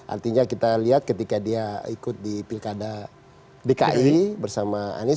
artinya kita lihat ketika dia ikut di pilkada dki bersama anies